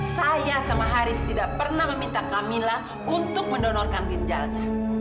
saya sama haris tidak pernah meminta camilla untuk mendonorkan ginjalnya